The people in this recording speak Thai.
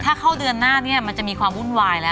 ถ้าเข้าเดือนหน้าเนี่ยมันจะมีความวุ่นวายแล้ว